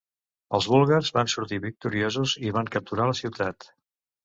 Els búlgars van sortir victoriosos i van capturar la ciutat.